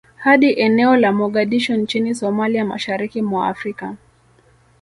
Hadi eneo la Mogadishu nchini Somalia mashariki mwa Afrika